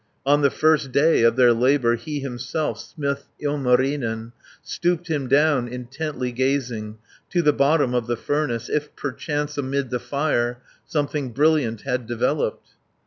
On the first day of their labour He himself, smith Ilmarinen, 320 Stooped him down, intently gazing, To the bottom of the furnace, If perchance amid the fire Something brilliant had developed.